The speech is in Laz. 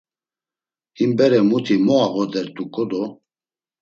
Him bere muti mo ağodert̆uǩo do!